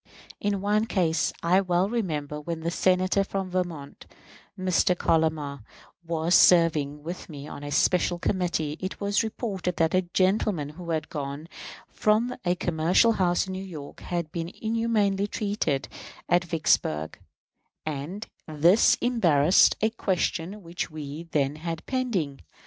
In one case, I well remember when the Senator from Vermont [Mr. Collamer] was serving with me on a special committee, it was reported that a gentleman who had gone from a commercial house in New York had been inhumanly treated at Vicksburg, and this embarrassed a question which we then had pending.